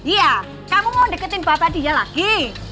iya kamu mau deketin bapak dia lagi